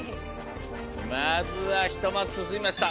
まずは１マスすすみました。